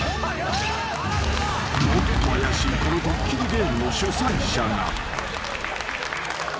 ［もっと怪しいこのドッキリゲームの主催者が］